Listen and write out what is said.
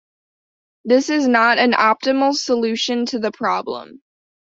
This is not an optimal solution to the problem.